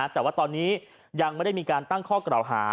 แต่ว่าตอนนี้ยังไม่ได้มีการตั้งข้อกล่าวหา